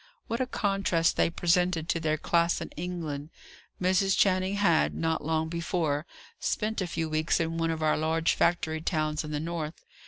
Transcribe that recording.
What a contrast they presented to their class in England! Mrs. Channing had, not long before, spent a few weeks in one of our large factory towns in the north.